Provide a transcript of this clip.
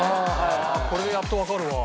ああこれでやっとわかるわ。